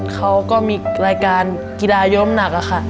เขาก็มีรายการกีฬายมหนักค่ะ